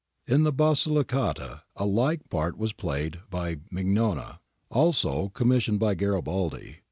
In the Basili cata a like part was played by Mignona, also commis sioned by Garibaldi.